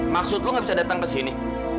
maksud lu gak bisa dateng kesini